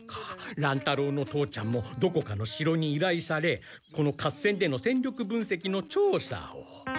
乱太郎の父ちゃんもどこかの城にいらいされこの合戦での戦力分せきのちょうさを。